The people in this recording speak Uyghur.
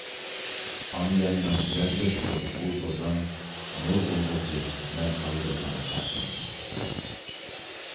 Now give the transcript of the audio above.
ئانا يەرنىڭ زەررىسىدۇر ئۇ توزان، نۇر بولغۇچى، مەن ئايرىلغان بەختىمگە!